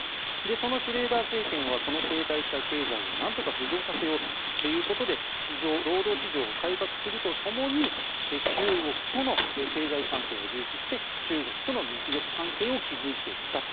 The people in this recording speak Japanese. そのシュレーダー政権はこの停滞した経済をなんとか浮上させようということで労働市場を改革するとともに中国との経済関係を重視して中国との蜜月関係を築いていったと。